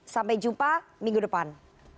sampai jumpa minggu depan